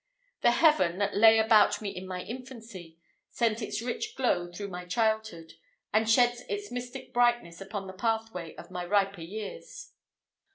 The "Heaven" that "lay about me in my infancy" sent its rich glow through my childhood, and sheds its mystic brightness upon the pathway of my riper years.